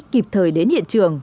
kịp thời đến hiện trường